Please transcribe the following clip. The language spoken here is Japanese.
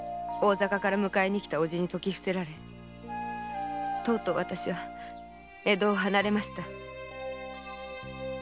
大坂から迎えにきた叔父に説き伏せられとうとうわたしは江戸を離れました。